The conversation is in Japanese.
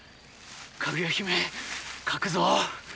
「かぐや姫」書くぞ。